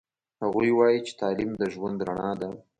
هغوی وایي چې تعلیم د ژوند رڼا ده